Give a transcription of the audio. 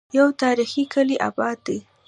يو تاريخي کلے اباد دی